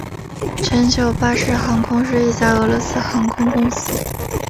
全球巴士航空是一家俄罗斯航空公司。